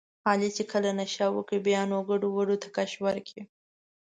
علي چې کله نشه وکړي بیا نو ګډوډو ته کش ورکړي.